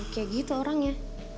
kayak gitu orangnya